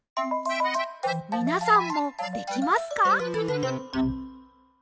みなさんもできますか？